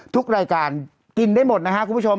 ทุกรายการกินได้หมดนะครับคุณผู้ชม